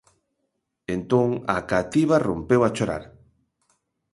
Entón a cativa rompeu a chorar.